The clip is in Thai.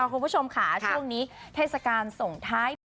คุณผู้ชมค่ะช่วงนี้เทศกาลส่งท้ายปี